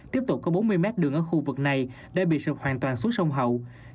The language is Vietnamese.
tiếp tục có bốn mươi mét đường ở khu vực này đã bị sụp hoàn toàn xuống sông hậu